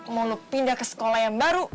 mau lo pindah ke sekolah yang baru